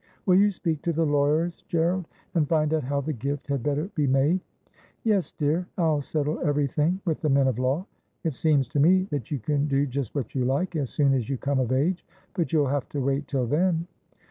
Will you speak to the lawyers, Gerald, and find out how the gift had better be made ?' Yes, dear ; I'll settle everything with the men of law. It seems to me that you can do just what you like, as soon as you come of age. But you'll have to wait till then.'